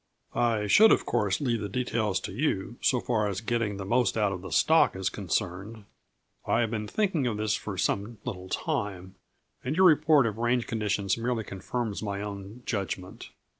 "I should, of course, leave the details to you, so far as getting the most out of the stock is concerned. I have been thinking of this for some little time, and your report of range conditions merely confirms my own judgment.